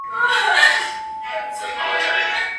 د مجلس غونډي کله پیلیږي؟